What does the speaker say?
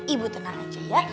ibu tenang aja ya